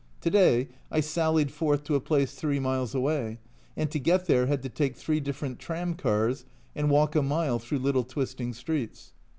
To day I sallied forth to a place three miles away, and to get there had to take three different tram cars and walk a mile through little twisting streets.